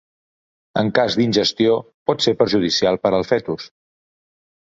En cas d'ingestió, pot ser perjudicial per al fetus.